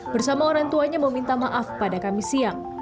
bersama orang tuanya meminta maaf pada kamis siang